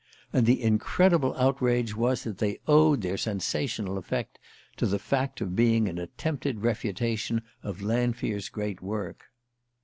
And the incredible outrage was that they owed their sensational effect to the fact of being an attempted refutation of Lanfear's great work.